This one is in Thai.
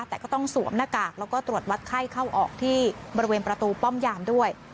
แต่ก็ต้องสวมหน้ากากแล้วก็ตรวจวัดไข้เข้าออกที่บริเวณประตูป้อมยามด้วย